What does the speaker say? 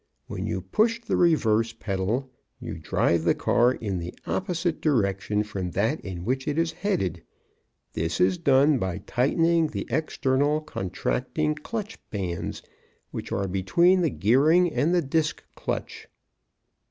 When you push the reverse pedal, you drive the car in the opposite direction from that in which it is headed. This is done by tightening the external contracting clutch bands which are between the gearing and the disk clutch."